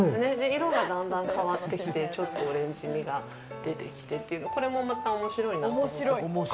色がだんだん変わってきてちょっとオレンジみが出てきて、これもまた面白いなと。